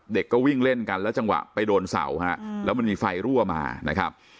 เด็กก็วิ่งเล่นกันแล้วจังหวะไปโดนเสาฮะแล้วมันมีไฟรั่วมานะครับ